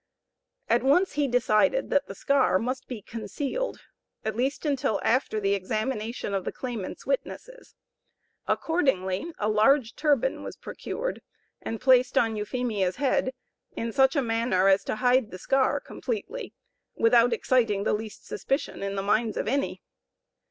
At once he decided that the scar must be concealed, at least, until after the examination of the claimant's witnesses. Accordingly a large turban was procured and placed on Euphemia's head in such a manner as to hide the scar completely, without exciting the least suspicion in the minds of any.